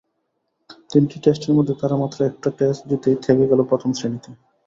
তিনটি টেস্টের মধ্যে তারা মাত্র একটা টেস্ট জিতেই থেকে গেল প্রথম শ্রেণীতে।